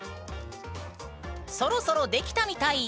そろそろ出来たみたい！